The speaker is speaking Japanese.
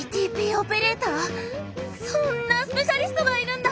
そんなスペシャリストがいるんだ！